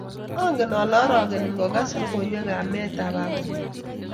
angen ale arageni ngokas lokoywekap meetap babanyi